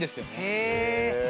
へえ。